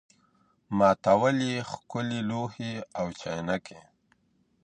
ماتول یې ښکلي لوښي او چاینکي.